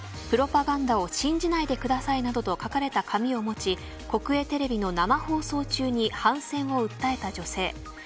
プロパガンダを信じないでくださいなどと書かれた紙を持ち国営テレビの生放送中に反戦を訴えた女性。